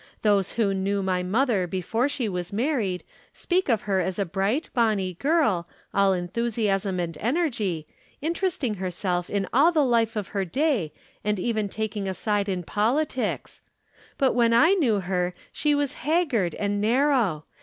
Those who knew my mother before she was married speak of her as a bright, bonny girl, all enthusiasm and energy, interesting herself in all the life of her day and even taking a side in politics. But when I knew her, she was haggard and narrow.